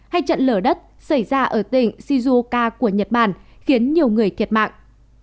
hay trận lở đất xảy ra ở tỉnh shizuoka của nhật bản khiến nhiều người thiệt mạng